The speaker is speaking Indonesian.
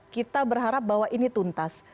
kita berharap bahwa ini tuntas